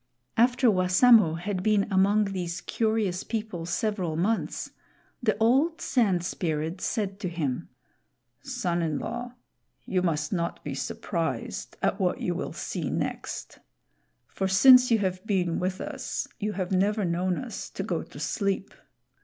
After Wassamo had been among these curious people several months, the old Sand Spirit said to him: "Son in law, you must not be surprised at what you will see next; for since you have been with us you have never known us to go to sleep.